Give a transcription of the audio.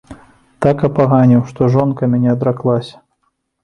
Так апаганіў, што жонка мяне адраклася.